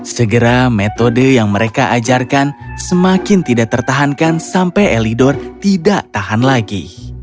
segera metode yang mereka ajarkan semakin tidak tertahankan sampai elidor tidak tahan lagi